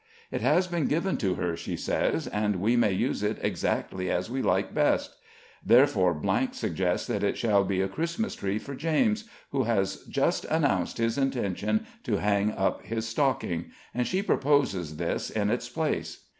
It has been given to her, she says, and we may use it exactly as we like best; therefore suggests that it shall be a Christmas tree for James, who has just announced his intention to hang up his stocking, and she proposes this in its place.